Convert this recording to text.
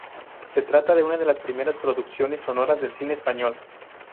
Se trata de una de las primeras producciones sonoras del cine español.